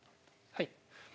はい。